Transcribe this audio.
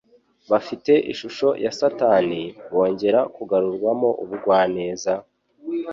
bafite ishusho ya Satani; bongera kugarurwamo ubugwaneza,